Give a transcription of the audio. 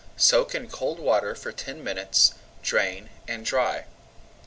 Soak in cold water for ten minutes, drain, and dry.